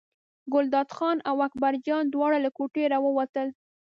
ګلداد خان او اکبرجان دواړه له کوټې راووتل.